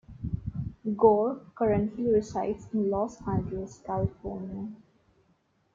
Gore currently resides in Los Angeles, California.